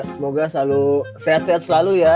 semoga selalu sehat sehat selalu ya